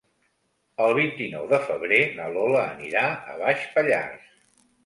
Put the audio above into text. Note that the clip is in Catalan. El vint-i-nou de febrer na Lola anirà a Baix Pallars.